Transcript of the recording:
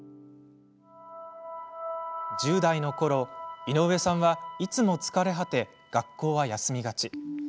１０代のころ、井上さんはいつも疲れ果て学校は休みがち。